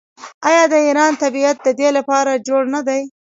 آیا د ایران طبیعت د دې لپاره جوړ نه دی؟